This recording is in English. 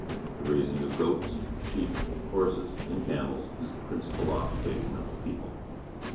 The rais ing of goats, sheep, horses, and camels is the principal occupation of the people.